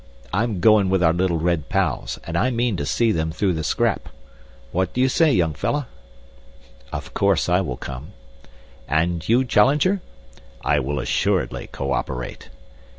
I'm goin' with our little red pals and I mean to see them through the scrap. What do you say, young fellah?" "Of course I will come." "And you, Challenger?" "I will assuredly co operate."